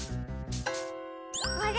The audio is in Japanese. あれ？